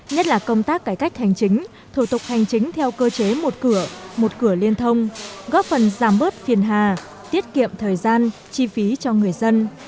nhất là công tác cải cách hành chính thủ tục hành chính theo cơ chế một cửa một cửa liên thông góp phần giảm bớt phiền hà tiết kiệm thời gian chi phí cho người dân